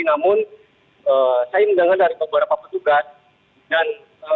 namun saya mendengar dari beberapa petugas dan